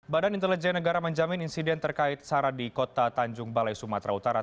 badan intelijen negara menjamin insiden terkait sarah di kota tanjung balai sumatera utara